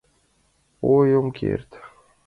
— Ой, ом керт!..